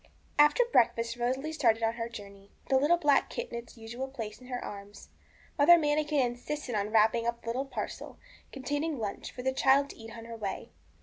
After breakfast Rosalie started on her journey, with the little black kit in its usual place in her arms. Mother Manikin insisted on wrapping up a little parcel, containing lunch, for the child to eat on her way.